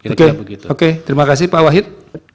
oke oke terima kasih pak wahid